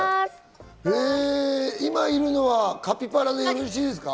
今いるのはカピバラでよろしいですか？